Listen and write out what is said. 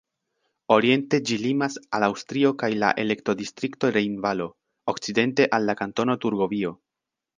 Oriente ĝi limas al Aŭstrio kaj la elektodistrikto Rejnvalo, okcidente al la Kantono Turgovio.